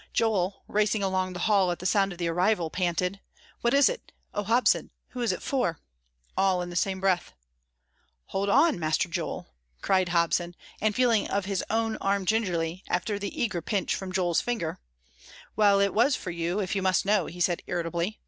Joel, racing along the hall at the sound of the arrival, panted, "What is it? Oh, Hobson, who is it for?" all in the same breath. "Hold on, Master Joel!" cried Hobson, and feeling of his arm gingerly, after the eager pinch from Joel's fingers. "Well, it was for you, if you must know," he said irritably.